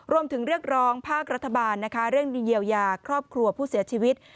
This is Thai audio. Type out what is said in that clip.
เรียกร้องภาครัฐบาลนะคะเรื่องเยียวยาครอบครัวผู้เสียชีวิต